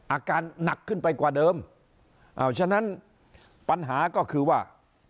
อาการหนักขึ้นไปกว่าเดิมอ้าวฉะนั้นปัญหาก็คือว่า